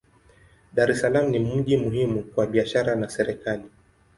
Dar es Salaam ni mji muhimu kwa biashara na serikali.